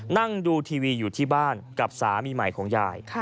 นั่งดูทีวีอยู่ที่บ้านกับสามีใหม่ของยาย